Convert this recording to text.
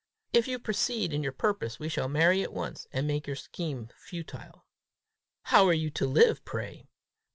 If you proceed in your purpose, we shall marry at once, and make your scheme futile." "How are you to live, pray?"